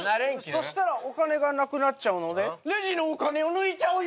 そしたらお金がなくなっちゃうのでレジのお金を抜いちゃうよ。